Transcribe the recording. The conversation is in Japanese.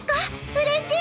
うれしい！